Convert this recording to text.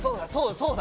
そうだ！